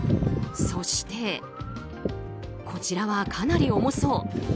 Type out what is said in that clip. そして、こちらはかなり重そう。